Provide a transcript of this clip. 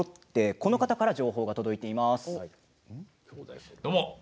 この方から届いています。